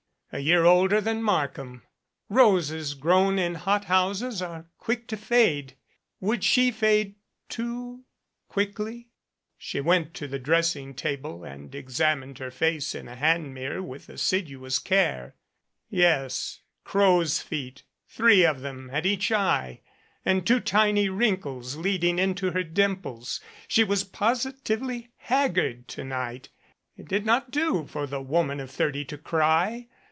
a year older than Markham! Roses grown in hothouses are quick to fade. Would she fade, too, quickly? She went to the dressing table and examined her face 94 THE FUGITIVE in a hand mirror with assiduous care. Yes, crow's feet three of them at each eye, and two tiny wrinkles leading into her dimples. She was positively haggard to night. It did not do for the woman of thirty to cry.